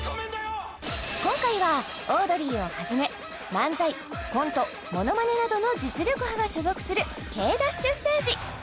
今回はオードリーをはじめ漫才・コント・モノマネなどの実力派が所属するケイダッシュステージ